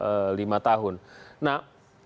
menurut saya itu memang pertanyaan yang harus saya ketahui